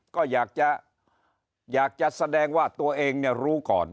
ก็อยากจะอยากจะแสดงว่าตัวเองเนี่ยรู้ก่อน